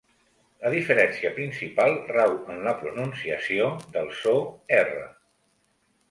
La diferència principal rau en la pronunciació del so "r".